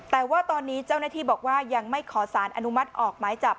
แต่ว่าตอนนี้เจ้าหน้าที่บอกว่ายังไม่ขอสารอนุมัติออกหมายจับ